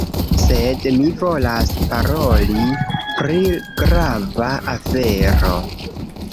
Sed mi volas paroli pri grava afero.